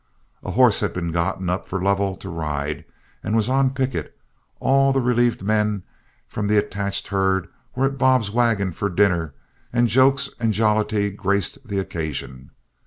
A horse had been gotten up for Lovell to ride and was on picket, all the relieved men from the attached herd were at Bob's wagon for dinner, and jokes and jollity graced the occasion.